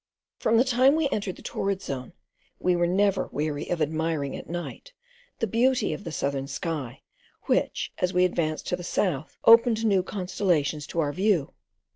From the time we entered the torrid zone, we were never weary of admiring, at night, the beauty of the southern sky, which, as we advanced to the south, opened new constellations to our view.